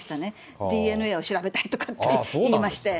ＤＮＡを調べたいとかって言いまして。